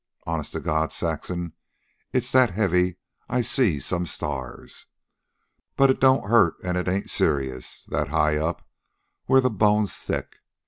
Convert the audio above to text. Honest to God, Saxon, it's that heavy I see some stars. But it don't hurt an' ain't serious, that high up where the bone's thick.